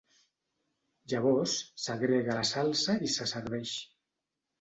Llavors s'agrega la salsa i se serveix.